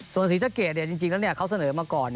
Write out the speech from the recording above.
ส่วนศรีสะเกดจริงแล้วเขาเสนอมาก่อน